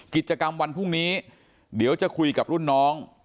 กิจกรรมวันพรุ่งนี้เดี๋ยวจะคุยกับรุ่นน้อง